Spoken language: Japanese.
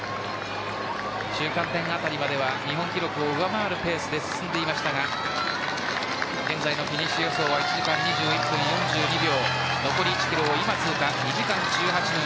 中間点辺りまでは日本記録を上回るペースで進んでいましたが現在のフィニッシュ予想は２時間２１分４２秒。